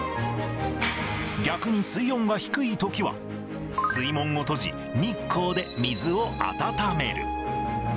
逆に水温が低いときは、水門を閉じ、日光で水を温める。